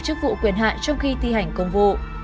chức vụ quyền hạn trong khi thi hành công vụ